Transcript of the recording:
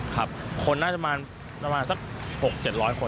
คนน่าจะมาประมาณ๖๗๐๐คน